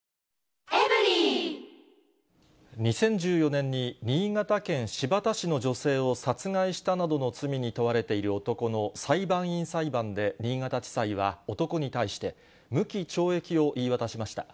２０１４年に新潟県新発田市の女性を殺害したなどの罪に問われている男の裁判員裁判で、新潟地裁は男に対して、無期懲役を言い渡しました。